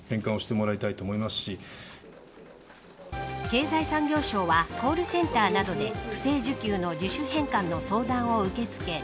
経済産業省はコールセンターなどで不正受給の自主返還の相談を受け付け